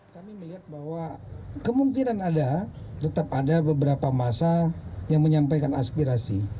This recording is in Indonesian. kami melihat bahwa kemungkinan ada tetap ada beberapa masa yang menyampaikan aspirasi